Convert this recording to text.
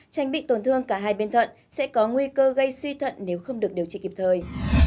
tránh bị tổn thương cả hai bên thận sẽ có nguy cơ gây suy thận nếu không được điều trị kịp thời